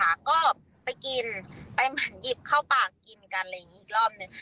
แล้วก็พิธีคนอื่นอ่ะฮะก็ไปกินไปหมั่นหยิบเข้าปากกินกันอะไรอย่างงี้อีกรอบหนึ่ง